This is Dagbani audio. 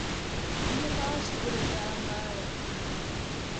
Bihi maa suhiri daa maaya.